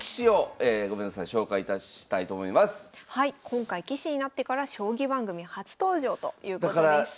今回棋士になってから将棋番組初登場ということです。